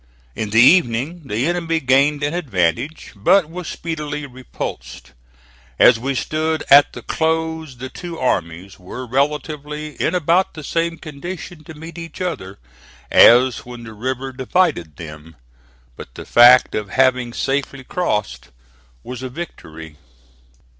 In the evening the enemy gained an advantage; but was speedily repulsed. As we stood at the close, the two armies were relatively in about the same condition to meet each other as when the river divided them. But the fact of having safely crossed was a victory.